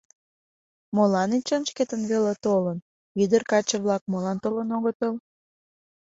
Молан Эчан шкетын веле толын, ӱдыр-каче-влак молан толын огытыл.